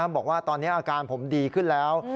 บอกว่าตอนนี้อาการผมดีขึ้นแล้ว